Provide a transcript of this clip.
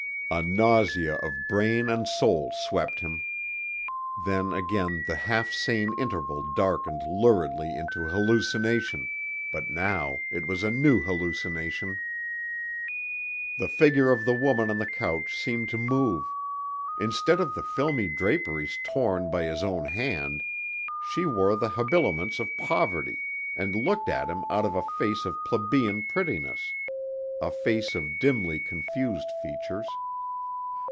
A nausea of brain and soul swept him. Then again the half sane interval darkened luridly into hallucination, but now it was a new hallucination. The figure of the woman on the couch seemed to move. Instead of the filmy draperies torn by his own hand, she wore the habiliments of poverty and looked at him out of a face of plebeian prettiness; a face of dimly confused features.